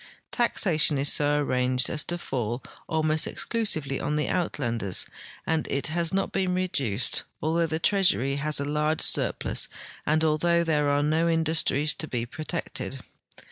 Taxation is so arranged as to fall almost ex clusively on the Uitlanders, and it has not been reduced, altbough the treasury has a large sur|)lus and although there are no in dustries to be protected.